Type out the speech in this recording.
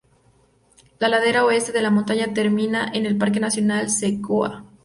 La ladera oeste de la montaña termina en el Parque Nacional Sequoia.